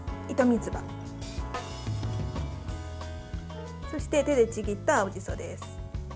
みつばそして手でちぎった青じそです。